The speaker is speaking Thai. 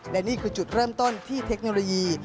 และนี่คือจุดเริ่มต้นที่เทคโนโลยี